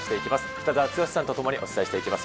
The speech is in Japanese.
北澤豪さんと共にお伝えしていきます。